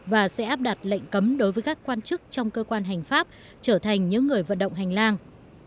và sẽ áp đặt lệnh cấm đối với các quan chức trong cơ quan hành pháp trở thành những người vận động hành lang